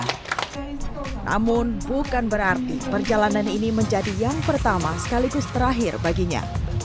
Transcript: namun bukan berarti perjalanan ini menjadi yang pertama sekaligus terakhir baginya